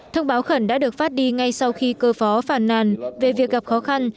thông báo khẩn đã được phát đi ngay sau khi cơ phó phản nàn về việc gặp khó khăn